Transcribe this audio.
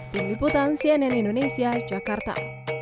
pemiputan cnn indonesia jakarta